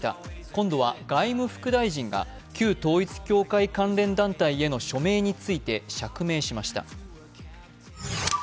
今度は外務副大臣が旧統一教会関連団体への署名について釈明しました。